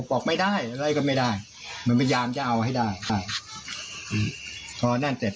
บอกไม่ได้อะไรก็ไม่ได้มันพยายามจะเอาให้ได้ใช่พอนั่นเสร็จ